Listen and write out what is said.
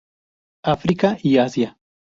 África y Asia.